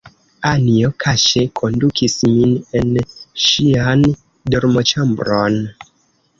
Anjo kaŝe kondukis min en ŝian dormoĉambron.